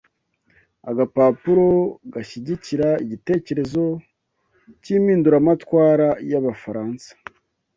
agapapuro gashyigikira igitekerezo cy’impinduramatwara y’Abafaransa